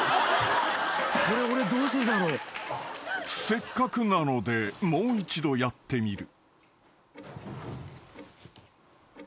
［せっかくなのでもう一度やってみる］